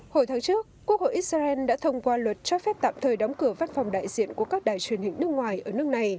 hồi tháng trước quốc hội israel đã thông qua luật cho phép tạm thời đóng cửa văn phòng đại diện của các đài truyền hình nước ngoài ở nước này